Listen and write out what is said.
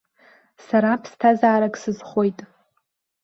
Сара ԥсҭазаарак сызхоит.